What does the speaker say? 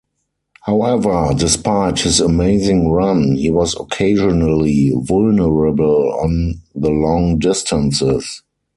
However, despite his amazing run, he was occasionally vulnerable on the long distances.